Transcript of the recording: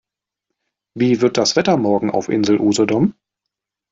Wie wird das Wetter morgen auf Insel Usedom?